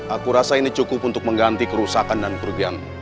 aku rasa ini cukup untuk mengganti kerusakan dan kerugian